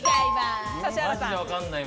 指原さん。